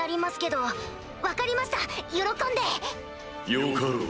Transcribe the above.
よかろう。